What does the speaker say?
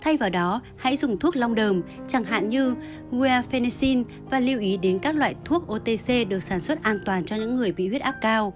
thay vào đó hãy dùng thuốc long đờm chẳng hạn như wafenesin và lưu ý đến các loại thuốc otc được sản xuất an toàn cho những người bị huyết áp cao